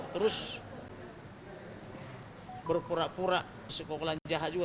terus berpura pura sekolahnya jahat juga